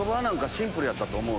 シンプルやったと思う。